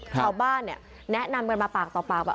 ชาวบ้านเนี่ยแนะนำกันมาปากต่อปากว่า